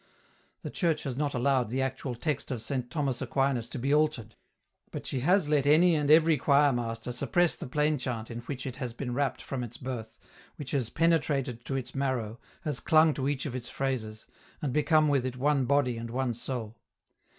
The Church has not allowed the actual text of Saint Thomas Aquinas to be altered, but she has let any and every choirmaster suppress the plain chant in which it has been wrapped from its birth, which has penetrated to its marrow, has clung to each of its phrases, and become with it one body and one soul.